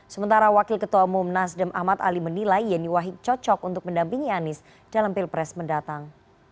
sementara wakil ketua umum nasdem ahmad ali menilai yeni wahid cocok untuk mendampingi anies dalam pilpres mendatang